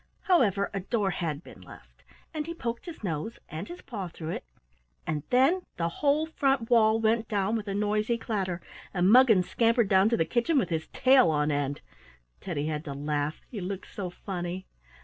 However, a door had been left, and he poked his nose and his paw through it, and then the whole front wall went down with a noisy clatter, and Muggins scampered down to the kitchen with his tail on end. Teddy had to laugh; he looked so funny.